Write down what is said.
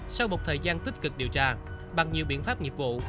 sau một thời gian tích cực điều tra bằng nhiều biện pháp nghiệp vụ